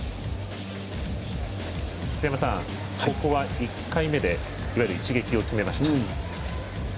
ここは、１回目でいわゆる一撃を決めました。